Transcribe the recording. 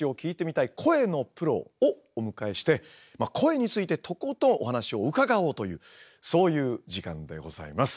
声のプロをお迎えして声についてとことんお話を伺おうというそういう時間でございます。